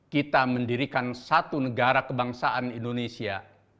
kita mendirikan satu negara kebangsaan indonesia